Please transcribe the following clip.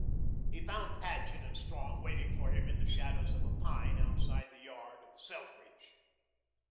He found Paget and Strong waiting for him in the shadows of a pine outside the yard of Selfridge.